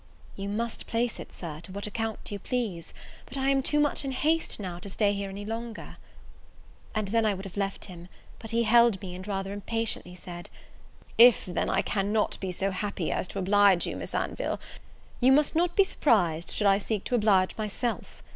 "You must place it, Sir, to what account you please; but I am too much in haste now to stay here any longer." And then I would have left him; but he held me, and rather impatiently said, "If, then, I cannot be so happy as to oblige you, Miss Anville, you must not be surprised should I seek to oblige myself.